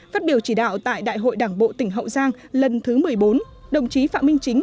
phát biểu chỉ đạo tại đại hội đảng bộ tỉnh hậu giang lần thứ một mươi bốn đồng chí phạm minh chính